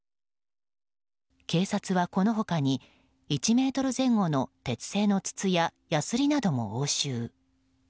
警察は、この他に１ｍ前後の鉄製の筒ややすりなども押収。